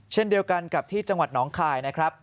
เช่นเดียวกันกับที่จังหวัดน้องคายนะครับ